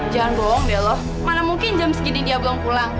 jangan bohong beloh mana mungkin jam segini dia belum pulang